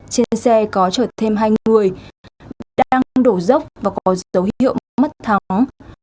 trên xe có chở thêm hai người đang đổ dốc và có dấu hiệu mất thắng